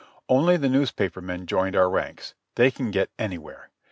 Only the newspaper men joined our ranks — they can get anywhere.